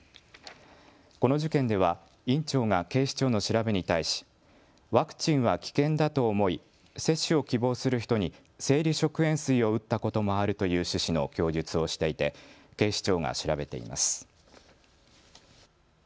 この事件では院長が警視庁の調べに対しワクチンは危険だと思い接種を希望する人に生理食塩水を打ったこともあるという趣旨の供述をしていて警視庁が調べています。